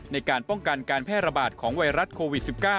ในการป้องกันการแพร่ระบาดของไวรัสโควิด๑๙